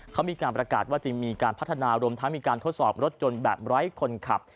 เขามีการประกาศว่าจึงมีการพัฒนารวมทั้งมีการทดสอบรถยนต์แบบไร้คนขับ